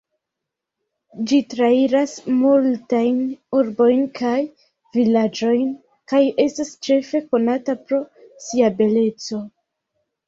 Ĝi trairas multajn urbojn kaj vilaĝojn kaj estas ĉefe konata pro sia beleco.